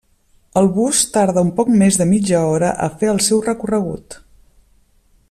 El bus tarda un poc més de mitja hora a fer el seu recorregut.